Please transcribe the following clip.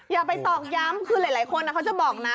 อย่าไปตอกย้ำคือหลายคนเขาจะบอกนะ